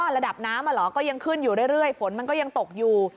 ระดับน้ำก็ยังขึ้นอยู่เรื่อยฝนมันก็ยังตกอยู่